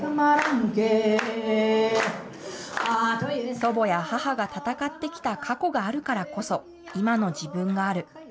祖母や母が戦ってきた過去があるからこそ、今の自分がある。